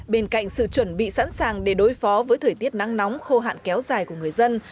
bên cạnh sự chuẩn bị sẵn sàng để đối phó với thời tiết nắng nóng khô hạn kéo dài của người dân